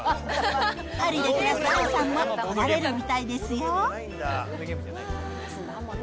パリで暮らす杏さんも来られるみたいですよ。